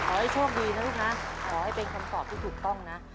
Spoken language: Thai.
ขอให้โชคดีนะลูกนะขอให้เป็นคำตอบที่ถูกต้องนะ